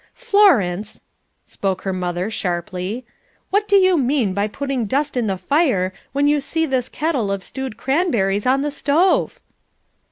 "Florence," spoke her mother sharply, "what do you mean by putting dust in the fire when you see this kettle of stewed cranberries on the stove?"